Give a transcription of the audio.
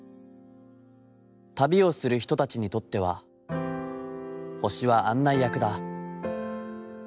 旅をする人たちにとっては、星は案内役だ。